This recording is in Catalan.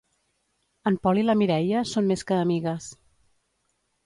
En Pol i la Mireia són més que amigues.